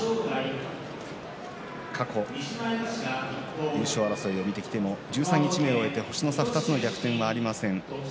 過去、優勝争いを見てきても十三日目を終えて星の差２つの逆転はありません。